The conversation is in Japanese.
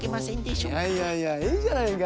いやいやいやいいじゃないか。